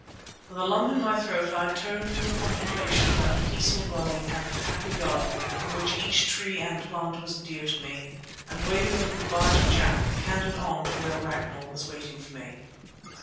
With a lump in my throat I turned from the contemplation of that peaceful dwelling and happy garden in which each tree and plant was dear to me, and waving a good bye to Jack, cantered on to where Ragnall was waiting for me.